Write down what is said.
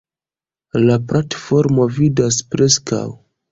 La platformo vidas preskaŭ.